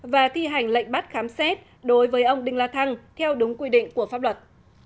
và thi hành lệnh bắt khám xét đối với ông đinh la thăng theo đúng quy định của pháp luật